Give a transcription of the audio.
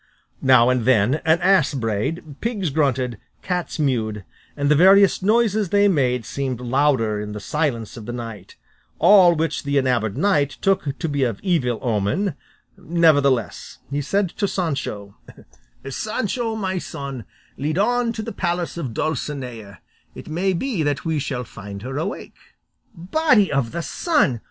Now and then an ass brayed, pigs grunted, cats mewed, and the various noises they made seemed louder in the silence of the night; all which the enamoured knight took to be of evil omen; nevertheless he said to Sancho, "Sancho, my son, lead on to the palace of Dulcinea, it may be that we shall find her awake." "Body of the sun!